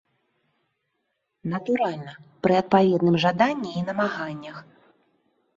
Натуральна, пры адпаведным жаданні і намаганнях.